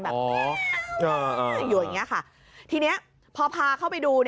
แบบนี้อยู่อย่างนี้ค่ะทีนี้พอพาเข้าไปดู